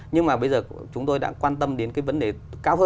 nhưng mà bây giờ chúng tôi đã quan tâm đến cái vấn đề cao hơn